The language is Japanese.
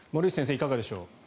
いかがでしょう。